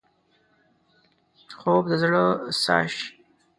خوب د زړه ساه شي